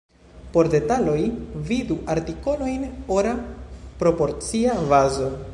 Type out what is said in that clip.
Por detaloj, vidu artikolojn ora proporcia bazo.